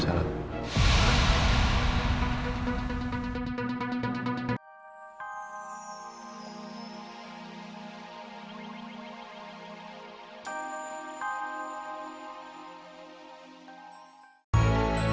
terima kasih pak